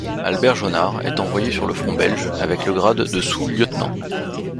Albert Jonnart est envoyé sur le front belge, avec le grade de sous-lieutenant.